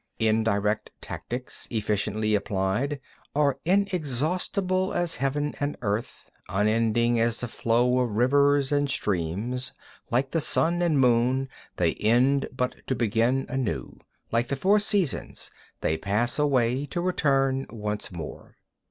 6. Indirect tactics, efficiently applied, are inexhaustible as Heaven and Earth, unending as the flow of rivers and streams; like the sun and moon, they end but to begin anew; like the four seasons, they pass away but to return once more.